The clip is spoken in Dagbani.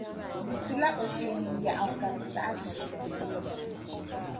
Bɛ tula o shee ni yɛɣu ka di saɣis’ o.